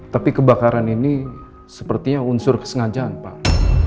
tapi kebakaran ini sepertinya unsur kesengajaan pak